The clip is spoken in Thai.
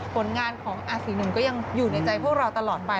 ผลงานของอาศีหนึ่งก็ยังอยู่ในใจพวกเราตลอดไป